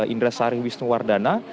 indra sari wisnuwardana